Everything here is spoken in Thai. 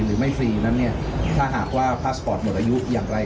หรือไม่ฟรีนั้นเนี่ยถ้าหากว่าพาสปอร์ตหมดอายุอย่างไร